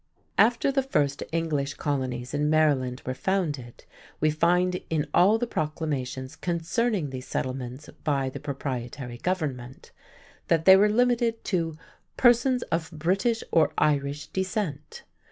After the first English colonies in Maryland were founded, we find in all the proclamations concerning these settlements by the proprietary government, that they were limited to "persons of British or Irish descent."